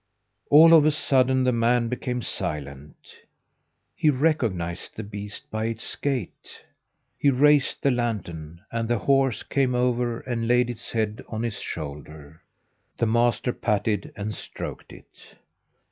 All of a sudden the man became silent. He recognized the beast by its gait. He raised the lantern, and the horse came over and laid its head on his shoulder. The master patted and stroked it.